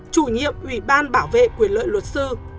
chủ nhiệm ủy ban bảo vệ quyền lợi luật sư